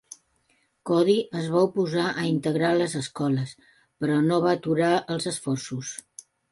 Cody es va oposar a integrar les escoles, però no va aturar els esforços.